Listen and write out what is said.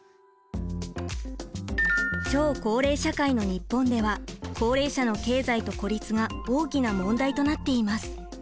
超高齢社会の日本では高齢者の経済と孤立が大きな問題となっています。